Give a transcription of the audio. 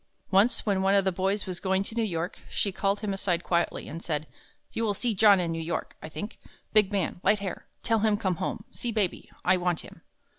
Once when one of the boys was going to New York, she called him aside quietly, and said, "You will see John in New York, I think.... Big man, light hair ... tell him come home, see Baby.... I want him."